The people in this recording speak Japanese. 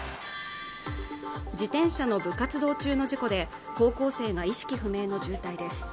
自転車の部活動中の事故で高校生が意識不明の重体です